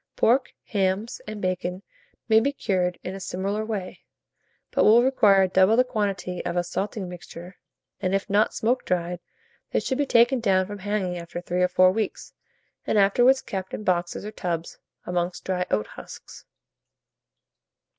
Pork, hams, and bacon may be cured in a similar way, but will require double the quantity of the salting mixture; and, if not smoke dried, they should be taken down from hanging after 3 or 4 weeks, and afterwards kept in boxes or tubs, amongst dry oat husks.